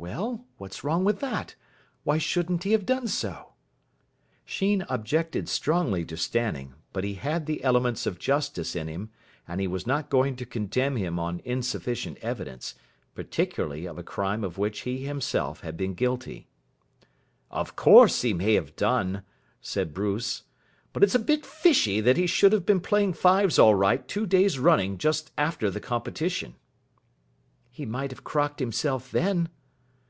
"Well, what's wrong with that? Why shouldn't he have done so?" Sheen objected strongly to Stanning, but he had the elements of justice in him, and he was not going to condemn him on insufficient evidence, particularly of a crime of which he himself had been guilty. "Of course he may have done," said Bruce. "But it's a bit fishy that he should have been playing fives all right two days running just after the competition." "He might have crocked himself then."